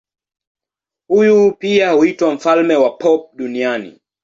Huyu pia huitwa mfalme wa pop duniani.